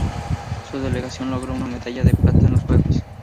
Su delegación logró una medalla de plata en los juegos.